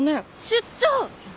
出張！